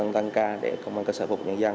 tăng ca để công an cơ sở phục vụ nhân dân